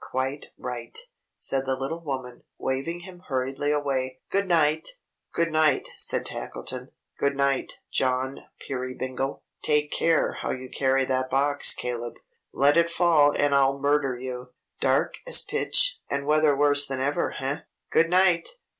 Quite right!" said the little woman, waving him hurriedly away. "Good night!" "Good night," said Tackleton. "Good night, John Peerybingle! Take care how you carry that box, Caleb. Let it fall and I'll murder you! Dark as pitch, and weather worse than ever, eh? Good night!"